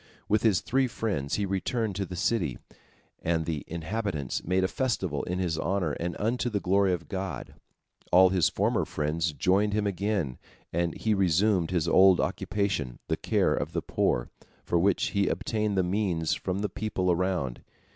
With his three friends he returned to the city, and the inhabitants made a festival in his honor and unto the glory of God. All his former friends joined him again, and he resumed his old occupation, the care of the poor, for which he obtained the means from the people around.